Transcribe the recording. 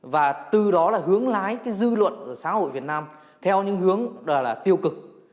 và từ đó hướng lái dư luận của xã hội việt nam theo những hướng tiêu cực